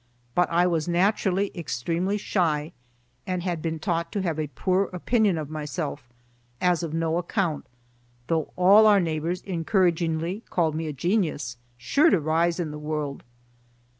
But I was naturally extremely shy and had been taught to have a poor opinion of myself, as of no account, though all our neighbors encouragingly called me a genius, sure to rise in the world.